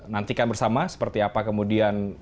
nantikan bersama seperti apa kemudian